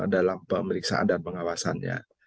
dalam pemeriksaan dan pengawasannya